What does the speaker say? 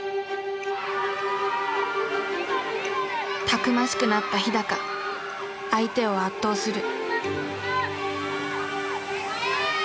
たくましくなった日相手を圧倒する。